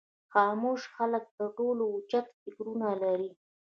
خاموشه خلک تر ټولو اوچت فکرونه لري.